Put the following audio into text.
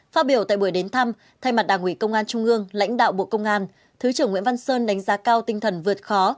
phát biểu tại buổi đến thăm thay mặt đảng ủy công an trung ương lãnh đạo bộ công an thứ trưởng nguyễn văn sơn đánh giá cao tinh thần vượt khó